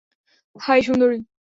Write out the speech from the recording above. High, Sundari.